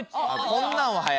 こんなんは早い。